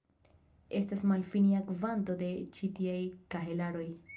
Estas malfinia kvanto de ĉi tiaj kahelaroj.